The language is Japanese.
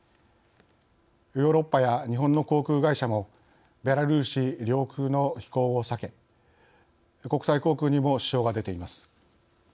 ヨーロッパや日本の航空会社もベラルーシ領空の飛行を避け国際航空にも支障が出ています。